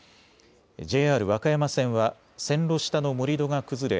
ＪＲ和歌山線は線路下の盛り土が崩れ